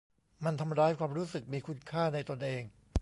มันทำร้ายความรู้สึกมีคุณค่าในตนเอง